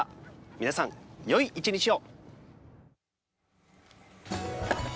皆さん、良い一日を。